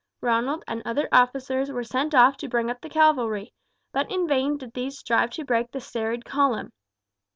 Ronald and other officers were sent off to bring up the cavalry, but in vain did these strive to break the serried column.